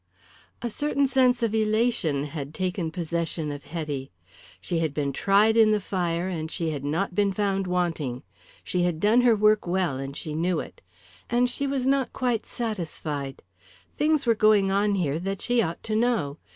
A certain sense of elation had taken possession of Hetty. She had been tried in the fire, and she had not been found wanting. She had done her work well, and she knew it. And she was not quite satisfied. Things were going on here that she ought to know.